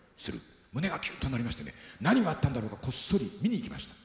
胸がキュンとなりましてね何があったんだろうかとこっそり見に行きました。